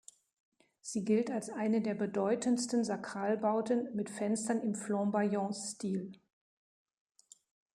Sie gilt als eine der bedeutendsten Sakralbauten mit Fenstern im Flamboyant-Stil.